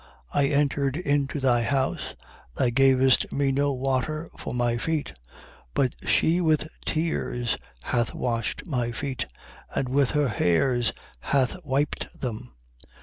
I entered into thy house: thou gavest me no water for my feet. But she with tears hath washed my feet; and with her hairs hath wiped them.